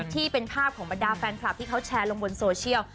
ที่เป็นภาพของบรรดาแฟนคลับที่เขาแชร์ลงบนโซเชียล